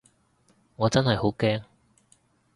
我真係好驚